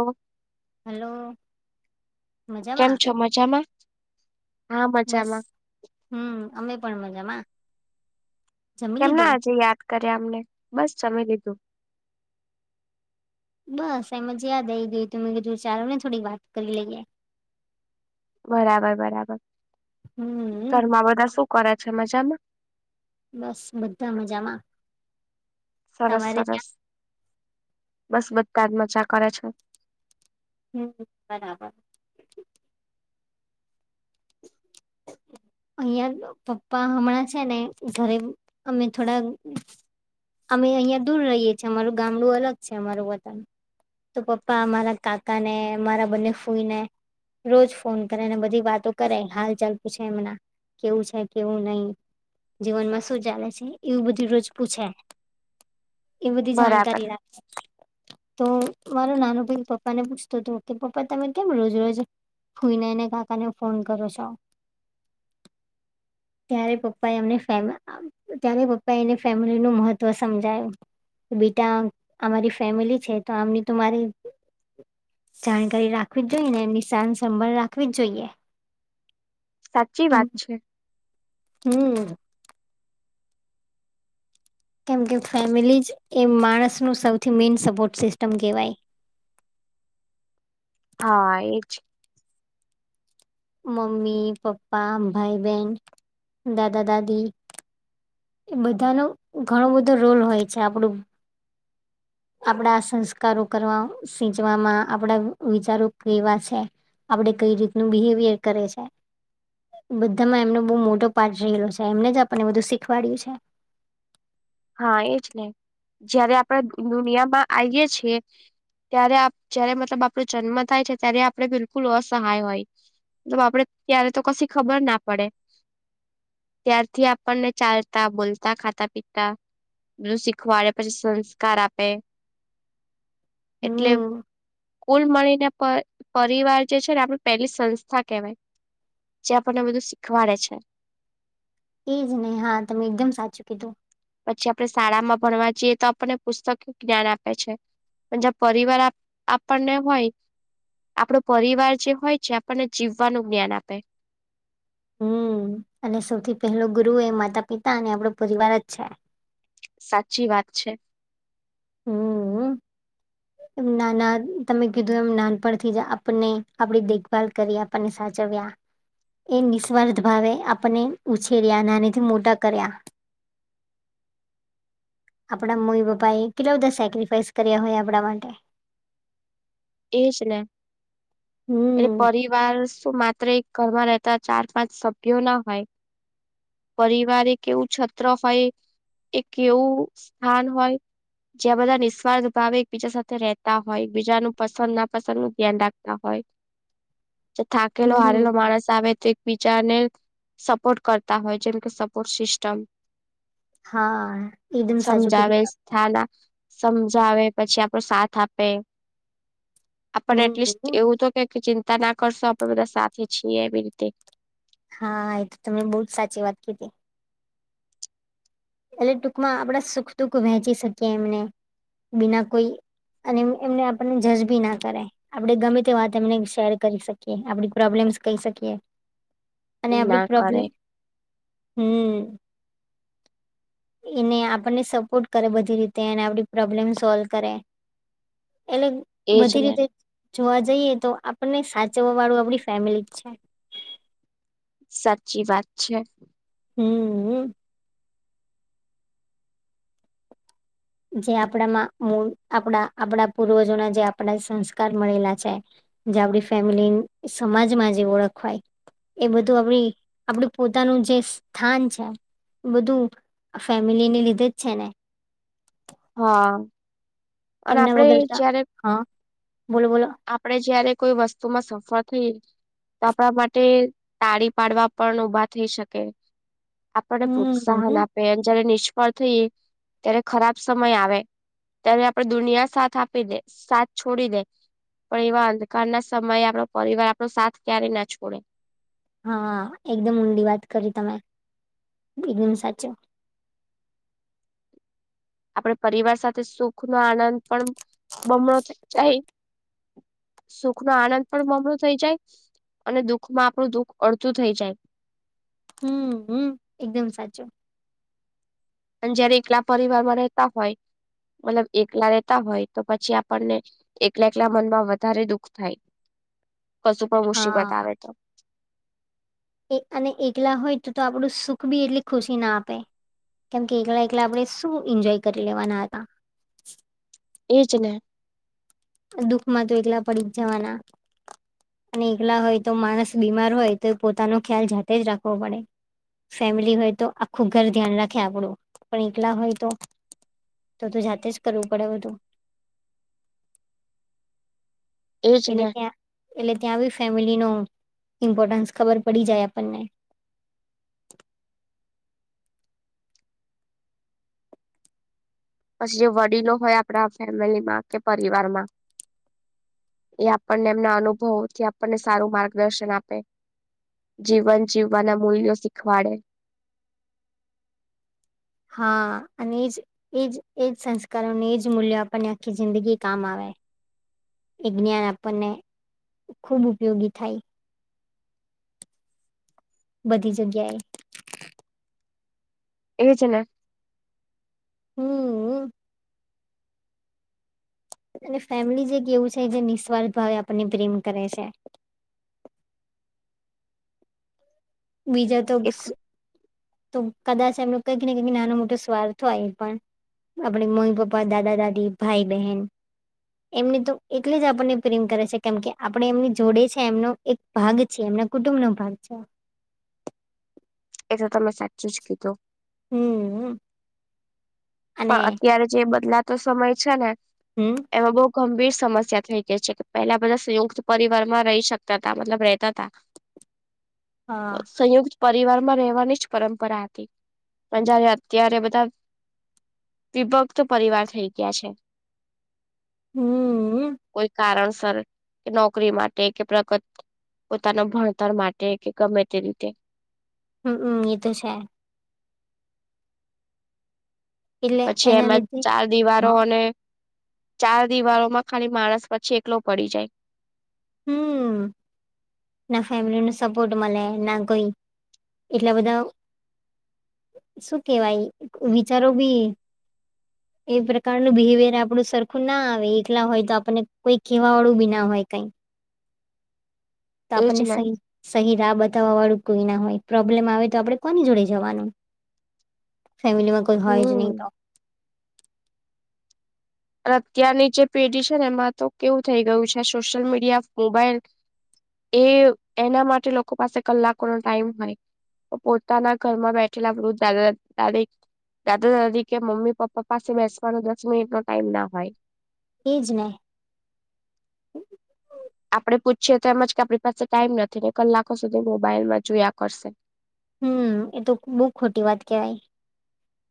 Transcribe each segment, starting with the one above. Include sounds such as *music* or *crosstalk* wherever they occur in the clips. હ. હલો. કેમ મજામાં છો મજામાં હા બસ મજામાં. હમ અમે પણ મજામાં જમી કેમ ના લીધું આજે યાદ કરે અમને બસ જમેહ્દ લીધું. બસ એમજ યાદ આવી ગયું તમે કીધું વિચારો ને થોડીક વાત કરી લઈએ. બરાબર બરાબર હમ ઘરમાં બધા શું કરે છે મજામાં. મા બસ બધા મજામાં સરસ તમારે સરસ ત્યાં બસ બધા જ મજા કરે છે. હમ બરાબર. અહિયાં પપ્પા હમણાં છે ને ઘરે અમે થોડા અમે અહિયાં દૂર રહીએ છીએમારું ગામડું અલગ છે અમારું વતન તો પપ્પા મારા કાકા ને મારા બંને ફૂઈ ને રોજ ફોન કરેને બધી વાતો કરે હાલ ચાલ પૂછે એમના. કેવું છે કેવું નહી. જીવનમાં શું ચાલે છે એવું બધી રોજ પૂછે એ બધી બરાબર જાણકારી રાખે *inaudible* તો મારો નાનો ભાઈ પપ્પા ને પૂછતો હતો કે પપ્પા તમે કેમ રોજ રજ ફૂઈનેને કાકાને ફોન કરો છો. ત્યારે પપ્પા એ અમને ત્યારે પપ્પા એને ફેમિલી નું મહત્વ સમજાયું. બેટા અમારી ફેમિલી છે તો આમની તો મારી જાણકારી રાખવી જ જોઈએ ને એમની સ સંંભાળ રાખવી જ જોઈએ. સાચી વાત છે. હમ્મ. કેમ કે ફેમિલીજ એ માણસ ન સૌથી મેન સપોર્ટ સિસ્ટમ કહેવાય. હા એ જ. મમ્મી પપ્પા ભાઈ બહેન દાદા દાદી એ બધાનો ઘણો બધો રોલ હોય છે આપણું આપણા સંસ્કારો કરવા સિચવામાં આપડા વિચારો કેવા છે આપડે કઈ રીતનું બિહેવિયર કરે છે. બધા માં એમનો બહુ મોટો પાઠ રહેલો છે એમને જ આપણને બધું શીખવાડય્યું છે. હા એજ ને જયારે આપડે દુનિયામાં આયીએ છીએ ત્યારે જય્યારે મતલબ આપણો જન્મ થાય છે ત્યારે આપણે બિલકુલ અસહાય હોય. મતલબ આપડે ત્યારે તો કશી ખબર ના પડે. ત્યારથી આપણને ચાલતા બોલતા ખાતા પીતા બધું શીખવાડે પછી સંસ્કાર આપે એટલે હમ કૂલ મલીને પરિવાર જે છે ને આપણી પહેલી સંસ્થા કેહેવાય. જે આપણને બધું શીખવાડે છે. એ જ ને હા તમે એકદમ સાચું કીધું. પછી આપણે શાળામાં ભણવા જઈએ તો આપણને પુસ્તકયુ જ્ઞાન આપે છે. જ પરિવાર આપણને હોય આપણો પરિવાર જે હોય છે આપણને જીવવાનું જ્ઞાન આપે. હમ્મ અને સૌથી પહેલો ગુરુ એ માતા પિતા અને આપણો પરિવાર જ છે. સાચી વાત છે. હમ્મ. નાના તમે કીધું એમ નાનપણથી જ આપણને આપડી દેખભાલ કરી આપણને સાચવ્યા. એ નિસ્વાર્થ ભાવે આપને ઉછેર્યા નાનીથી મોટા કર્યા. આપણા મમી પપ્પા એ કેટલા બધા સેક્રિફાઈસ કર્યા હોય આપણા માટે. એજ ને એટલે હમ પરિવાર શું માત્ર એક ઘરમાં રહેતા ચાર પાંચ સભ્યો ના હોય. પરિવાર એ કેવું છત્ર હોય એ કેવું સ્થાન હોય. જ્યાં બધા નિસ્વાર્થ ભાવે એકબીજા સાથે રહેતા હોય એકબીજાનું પસંદ ના પસંદ નું ધ્યાન રાખતા હોય તો થાકેલો હમ હારેલો માણસ આવે તો બીજાને સપોર્ટ કરતા હોય જેમ કે સપોર્ટ સિસ્ટમ હા એકદમ સાચું કીધું થા ના સમજાવે પછી આપડો સાથ આપે. આપણને એટલીસ્ટ હમ એવું તો કે ચિંતા ના કરશો આપણે બધા સાથે છીએ એવી રીતે. હા એ તો તમે બહુ જ સાચી વાત કીધી. એટલે ટૂંકમાં આપડા સુખ દુખ વહેંચી શકીએ એમને બિના કોઈ અને એમને આપણને જજ બી ના કરાય આપણે ગમે તે વાત એમને શેર કરી શકીએ આપણી પ્રોબ્લેમ્સ કહી શકીએ. અને ના આપડી કરે પ્રોબ્લેમ હમ્મ એને આપણને સપોર્ટ કરે બધી રીતે એને આપડી પ્રોબ્લેમ સોલ્વ કરે. એટલે એજ બધી ને રીતે જોવા જઈએ તો આપણને સાચવવા વાળું આપડી ફેમિલી જ છે. સાચી વાત છે. હમ્મ જે આપણામાં આપણા આપણા પૂર્વજોના જે આપણા સંસ્કાર મળેલા છે. જે આપડી ફેમિલી સમાજમાં જે ઓળખવાય એ બધું આપડી આપડું પોતાનું જે સ્થાન છે. બધું ફેમિલીને લીધે જ છે ને. *inaudible* હા અન એમના આપણે વગર તો જયારે આપ હા બોલો બોલો આપડે જયારે કોઈ વસ્તુમાં સફર થઈ તો આપણા માટે તાળી પાડવા પણ ઉભા થઈ શકે. આપને પ્રોત્સાહન હમ આપ જયારે નિષ્ફળ થઈએ ત્યારે ખરાબ સમય આવે ત્યારે આપ પણ દુનિયા સાથ આપી દે સાથ છોડી દે. પણ એવા અંધકાર ના સમયે આપણો પરિવાર આપણો સાથ ક્યારે ના છોડે. હા એકદમ ઊંડી વાત કરી તમે એકદમ સાચો. આપડે પરિવાર સાથે સુખ નો આનંદ પણ બમણો થ જાય. સુખ નો આનંદ પણ મમળું થઈ જાય અને દુઃખમાં આપણું દુઃખ અડધું થઈ જાય. હમ હમ એકદમ સાચું. અને જયારે એકલા પરિવારમાં રહેતા હોય મતલબ એકલા રહેેતા હોય તો પછી આપણને એકલા એકલા મનમાં વધારે દુઃખ થાય કશું પણ હા મુસીબત આવે તો. અને એકલા હોય તો તો આપડું સુખ બી એટલી ખુશી ના આપે. કેમ કે એકલા એકલા આપણે શું એન્જોય કરી લેવાના હતા. એજ ને. દુઃખમાં તો એટલા પડી જ જવાના. અને એકલા હોય તો માણસ બીમાર હોય તો પોતાનો ખ્યાલ જાતે જ રાખવો પડે. ફેમિલી હોય તો આખું ઘર ધ્યાન રાખે આપડું પણ એકલા હોય તો. તો તો જાતે જ કરવું પડે બધું. એજ એટલે ને ત્યાં એટલે ત્યાં બી ફેમિલી નો ઇમ્પોર્ટન્સ ખબર પડી જાય આપણને. પછી જે વડીલો હોય આપણા ફેમિલીમાં કે પરિવારમાં એ આપણને એમના અનુભવોથી આપણને સારું માર્ગદર્શન આપે. જીવન જીવવાના મૂલ્યો શીખવાડે. હા અને એજ એજ એજ સંસ્કારોને એજ મૂલ્યો આપણને આખી જિંદગી કામ આવે. એ જ્ઞાન આપણને ખૂબ ઉપયોગી થાય. બધી જગ્યાએ. એજ ને. હમઅ. અને ફેમિલી જે ક એવું છે જે નિસ્વાર્થ ભાવે આપણને પ્રેમ કરે છે. બીજા તો એ શું તો કદાચ એમનું કંઈક ને કઈક નાનો મોટો સ્વાર્થ હોય પણ આપણી મમ્મી-પપ્પા, દાદા-દાદી, ભાઈ-બહેન એમને તો એટલે જ આપણને પ્રેમ કરે છે કેમ કે આપણે એમની જોડે છે એમનો એક ભાગ છે એમના કુટુંબ નો ભાગ છે. એ તો તમે સાચું જ કીધું. હમઅ. પણ અત્યારે જે બદલાતો સમય છે ને હમ. એમાં બહુ ગંભીર સમસ્યા થઈ ગઈ છે કે પહેલા બધા સંયુક્ત પરિવાર માં રહી શકતા હતા મતલબ રહેતાતા. હા સંયુક્ત પરિવારમાં રહેવાની જ પરંપરા હતી. પણ જયારે અત્યારે બધા વિભક્ત પરિવાર થઈ ગ્યા છે. હમ કોઈ કારણસર કે નોકરી માટે, કે પ્રગત પોતાના ભણતર માટે કે ગમે તે રીતે. હમમ હમમ એ તો છે. એટલે પછી એના એમાં લીધે ચાર હ દિવારો અને ચાર દિવારો માં ખાલી માણસ પછી એકલો પડી જાય. હમમ. ના ફેમિલી નો સપોર્ટ મલે ના કોઈ એટલા બધા શું કેવાય વિચારો બી એ પ્રકારનું બિહેવિયર આપણું સરખું ના આવે એકલા હોય તો આપણને કોઈ કહેવા વાળું બી ના હોય કઈ. તો એજ આપણને ને. સહી સહી રાહ બતાવવા વાળું કોઈ ના હોય. પ્રોબ્લેમ આવે તો આપણે કોની જોડે જવાનું? ફેમિલી માં કોઈ હોય જ હમ. ની તો. અત્યારની જે પેઢી છે ને એમાં તો કેવું થઈ ગયું છે. સોશિયલ મીડિયા, મોબાઈલ એ એના માટે લોકો પાસે કલાકો નો ટાઈમ હોય. પણ પોતાના ઘરમાં બેઠેલા વૃદ્ધ દાદા, દાદી દાદા, દાદી કે મમ્મી, પપ્પા પાસે બેસવાનો દસ મિનિટ નો ટાઈમ ના હોય. એજ ને. આપડે પૂછીએ તો એમજ કે આપણી પાસે ટાઈમ નથી ને કલાકો સુધી મોબાઈલમાં જોયા કરશે. હમમ એ તો બો ખોટી વાત કેહેવાય.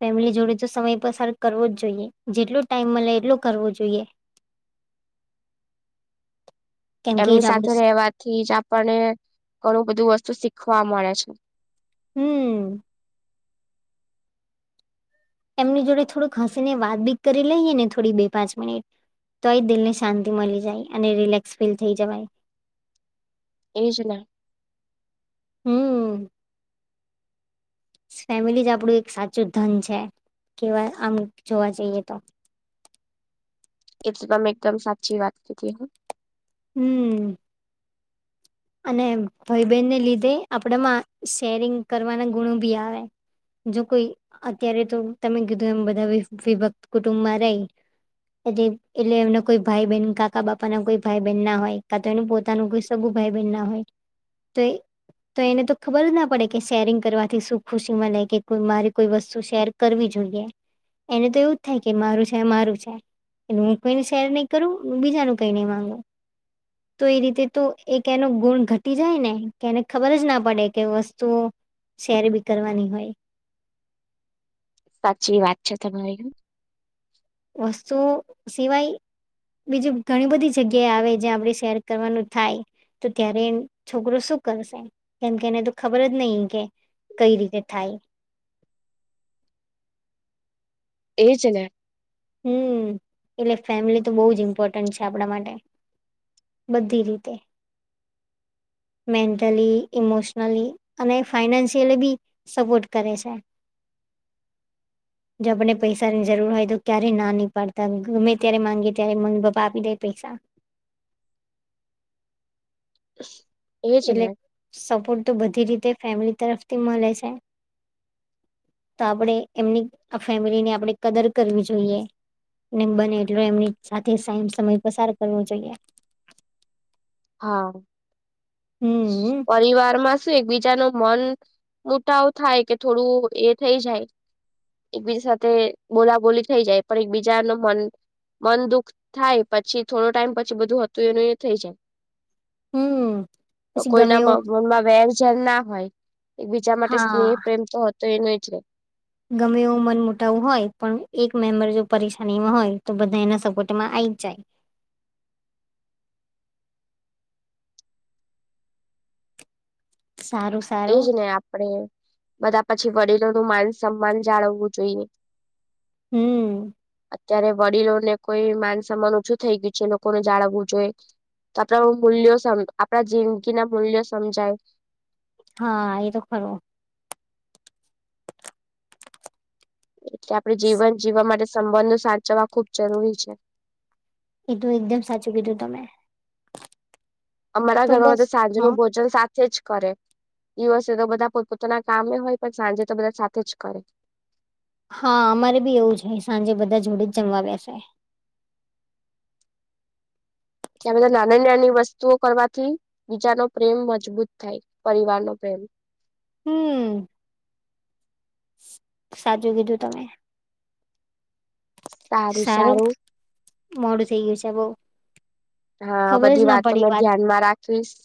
ફેમિલી જોડે તો સમય પસાર કરવો જ જોઈએ જેટલો ટાઈમ મળે એટલો કરવો જોઈએ. *inaudible* એમની આપણું સાથે રહેવાથી જ આપણને ઘણું બધું વસ્તુ શીખવા મળે છે. હમમ. એમની જોડે થોડુંક હસી ને વાત બીત કરી લઈએ ને થોડી બે- પાંચ મિનિટ તોયે દિલ ને શાંતિ મળી જાય અને રિલેક્સ ફીલ થઈ જવાય. એ જ ને. હમમ ફેમિલી જ આપડું એક સાચું ધન છે. કેવા આમ જોવા જઈએ તો એ તો તમે એકદમ સાચી વાત કીધી હા. હમમ. અને ભઈ બહેનને લીધે આપડામાં શેરિંગ કરવાના ગુણો બી આવે. જો કોઈ અત્યારે તો તમે કીધું એમ બધા વિભક્ત કુટુંબમાં રેય એટલે એમના કોઈ ભાઈ - બહેન, કાકા - બાપા ના કોઈ ભાઈ - બહેન ના હોય કા તો એનું પોતાનું કોઈ સગુ ભાઈ બેન ના હોય તો એ તો એને તો ખબર જ ના પડે કે શેરિંગ કરવાથી શું ખુશી મલે કે કોઈ મારી કોઈ વસ્તુ શેર કરવી જોઈએ એને તો એવું જ થાય કે મારું છે, મારું છે. હું કોઈને શેર નહી કરું, બીજાનું કઈ નહી માંગુ. તો એ રીતે તો એક એનો ગુણ ઘટી જાય ને કે એને ખબર જ ના પડે કે વસ્તુઓ શેર બી કરવાની હોય. સાચી વાત છે તમારી. વસ્તુ સિવાય બીજી ઘણી બધી જગ્યાએ આવે જ્યાં આપણે શેર કરવાનું થાય. તો ત્યારે છોકરો શું કરશે કેમકે એને તો ખબર જ નહી કે કઈ રીતે થાય? એજ ને. હમમ એટલે ફેમિલી તો બો જ ઇમ્પોર્ટન્ટ છે આપણા માટે. બધી રીતે મેન્ટલી ઇમોશનલી અને ફાઈનાન્શિયલી બી સપોર્ટ કરે છે જો આપણને પૈસાની જરૂર હોય તો ક્યારે ના ની પાડતા ને ગમે ત્યારે માંગે ત્યારે મમ્મી પપ્પા આપી દે પૈસા હ એટલે સપોર્ટ તો બધી રીતે ફેમલી તરફથી મલે છે તો આપણેે એમની આ ફેમિલીની આપણે કદર કરવી જોઈએ ને બને એટલો એમની સાથે સમ સમય પસાર કરવો જોઈએ હા હમ પરિવારમાં શું એકબીજાનુ મન મુતાવ થાય કે થોડું એ થઇ જાય એકબીજા સાથે બોલાબોલી થઈ જાય પણ એકબીજાનું મન મન દુુઃખ થાય પછી થોડો ટાઈમ પછી બધું હતું એનું એ થઈ જાય હમ્મ તો કોઈના મનમાં વેર ઝેર ના હોય એકબીજા માટે સ્નેહ હા પ્રેમ તો તો એનો એ છે ગમે એવો મન મોટાવ હોય પણ એક મેમ્બર જો પરેશાનીમાં હોય તો બધા એના સપોર્ટમાં આઈ જ જાય સારું એજ સારું ને આપડે બધા પછી વડીલોનું માન સન્માન જાળવવું જોઈએ હમ્મ અત્યારે વડીલોને કોઈ માન સમ્માન ઓછું થઈ ગયું છે એ લોકોને જાળવવું જોઈએ તો આપણા મૂલ્યો સમ આપણા જિંદગીના મૂલ્યો સમજાય હાં એ તો ખરુ એટલે આપડે જીવન જીવવા માટે સંબંધો સાચવવા ખુબ જરૂરી છે એ તો એકદમ સાચું કીધું તમે અમારા તો ઘરમાં બસ બધા સાંજનું હા ભોજન સા થે જ કરે દિવસે તો બધા પોત પોતાના કામે હોય પણ સાંજે તો બધા સાથે જ કરે હાં અમારે બી એવું જ હોય સાંજે બધા જોડે જ જમવા બેસે ત્યાં બધા નાના નાની વસ્તુઓ કરવાથી બીજાનો પ્રેમ મજબૂત થાય પરિવારનો પ્રેમ હમ્મ સાચું કીધું તમે સારું મોડું થઇ ગયું છે બઉ હા ખબર જ બધી ના વાતો પડી મે વાત ધ્યાનમાં રાખીશ